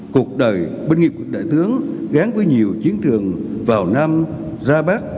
cuộc đời bên nghiệp của đại tướng gán với nhiều chiến trường vào nam ra bắc